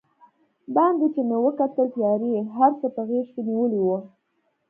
باندې چې مې وکتل، تیارې هر څه په غېږ کې نیولي و.